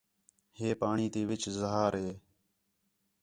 ہے پاݨی تی وِچ زہار ہے